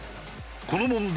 この問題